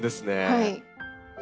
はい。